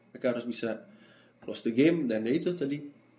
mereka harus bisa close to game dan ya itu tadi